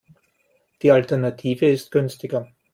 Die Alternative ist günstiger.